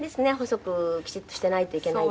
細くきちっとしていないといけない。